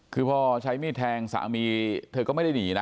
คือพอใช้มีดแทงสามีเธอก็ไม่ได้หนีนะ